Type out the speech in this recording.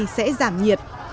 sẽ giảm nhiệt